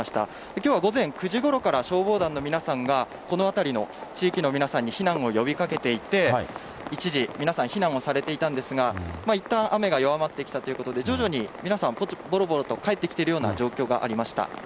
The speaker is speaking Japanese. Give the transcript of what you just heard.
きょうは午前９時ごろから消防団の皆さんがこの辺りの地域の皆さんに避難を呼びかけていて、一時皆さん避難をされていたんですが、いったん雨が弱まってきたということで、徐々に皆さん、ぼろぼろと帰ってきているような状況がありました。